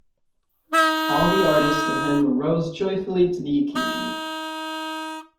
All the artist in him rose joyfully to the occasion.